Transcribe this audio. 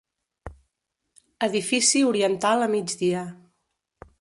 Edifici oriental a migdia.